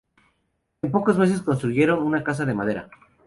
En pocos meses construyeron otra casa de madera.